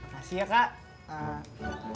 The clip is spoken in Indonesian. makasih ya kak